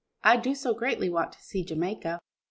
"I do so greatly want to see Jamaica."